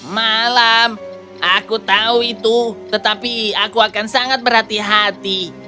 malam aku tahu itu tetapi aku akan sangat berhati hati